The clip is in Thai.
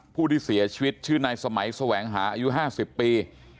ผู้ที่เสียชีวิตชื่อนายสมัยแสวงหาอายุ๕๐ปี